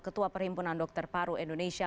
ketua perhimpunan dokter paru indonesia